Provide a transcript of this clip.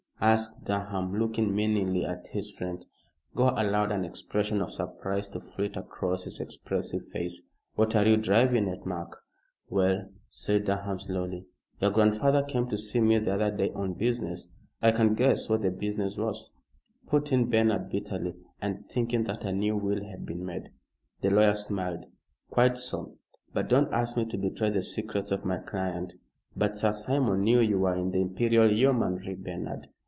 asked Durham, looking meaningly at his friend. Gore allowed an expression of surprise to flit across his expressive face. "What are you driving at, Mark?" "Well," said Durham, slowly, "your grandfather came to see me the other day on business " "I can guess what the business was," put in Bernard, bitterly, and thinking that a new will had been made. The lawyer smiled. "Quite so. But don't ask me to betray the secrets of my client. But Sir Simon knew you were in the Imperial Yeomanry, Bernard.